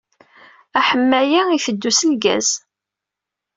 Aḥemmay-a itteddu s lgaz.